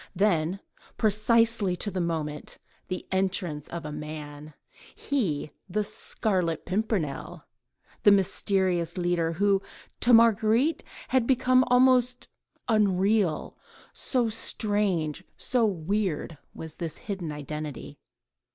—then, precise to the moment, the entrance of a man, he, the Scarlet Pimpernel, the mysterious leader, who to Marguerite had become almost unreal, so strange, so weird was this hidden identity.